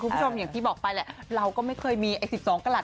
คุณผู้ชมอย่างที่บอกไปเราไม่เคยมี๑๒กรัด